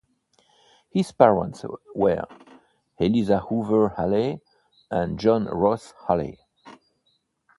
His parents were Eliza "Hoover" Alley and John Ross Alley.